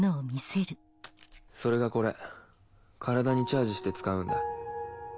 それがこれ体にチャージして使うんだ。